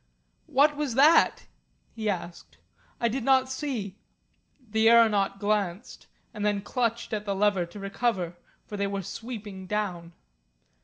"What was that?" he asked. "I did not see." The aeronaut glanced, and then clutched at the lever to recover, for they were sweeping down.